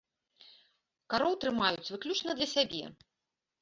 Кароў трымаюць выключна для сябе.